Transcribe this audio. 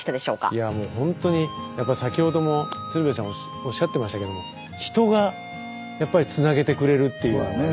いやもうほんとにやっぱ先ほども鶴瓶さんおっしゃってましたけども人がやっぱりつなげてくれるっていうのをね。